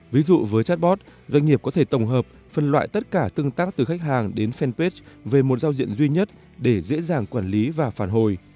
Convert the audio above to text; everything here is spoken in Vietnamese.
ví dụ với chatbot doanh nghiệp có thể tổng hợp phân loại tất cả tương tác từ khách hàng đến fanpage về một giao diện duy nhất để dễ dàng quản lý và phản hồi